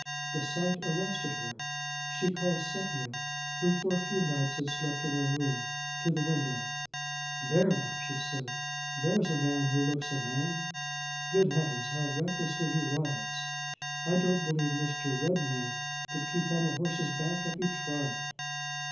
The sight arrested her. She called Sepia, who for a few nights had slept in her room, to the window. "There, now!" she said, "there is a man who looks a man! Good Heavens! how recklessly he rides! I don't believe Mr. Redmain could keep on a horse's back if he tried!"